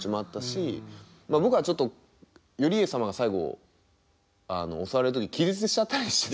僕はちょっと頼家様が最後襲われる時に気絶しちゃったりして。